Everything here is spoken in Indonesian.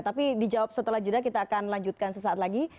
tapi dijawab setelah jeda kita akan lanjutkan sesaat lagi